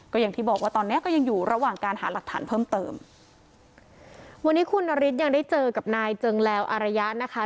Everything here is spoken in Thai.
ก็อย่างที่บอกว่าตอนเนี้ยก็ยังอยู่ระหว่างการหาหลักฐานเพิ่มเติมวันนี้คุณนฤทธิ์ยังได้เจอกับนายเจิงแลวอารยะนะคะ